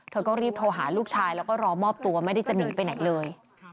เธอก็รีบโทรหาลูกชายแล้วก็รอมอบตัวไม่ได้จะหนีไปไหนเลย